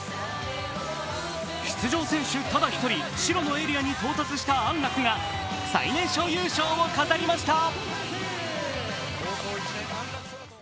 出場選手ただ１人、白のエリアに到達した安楽が最年少優勝を飾りました。